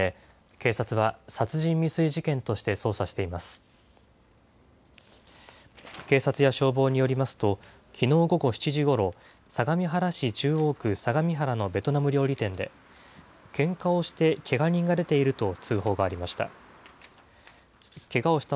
警察や消防によりますと、きのう午後７時ごろ、相模原市中央区相模原のベトナム料理店で、けんかをしてけが人が出ていると通報がありました。